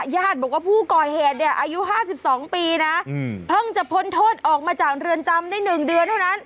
ญาติบอกว่าผู้ก่อเหตุเนี่ยอายุ๕๒ปีนะเพิ่งจะพ้นโทษออกมาจากเรือนจำได้๑เดือนเท่านั้น